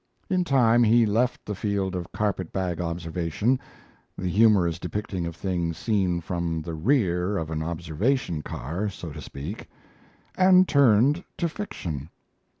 In time he left the field of carpet bag observation the humorous depicting of things seen from the rear of an observation car, so to speak and turned to fiction.